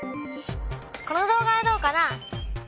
この動画はどうかな。